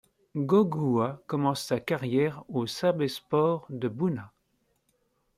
Gogoua commence sa carrière au Sabé Sports de Bouna.